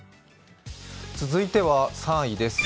続いては３位です。